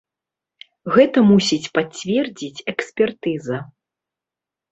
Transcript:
Гэта мусіць пацвердзіць экспертыза.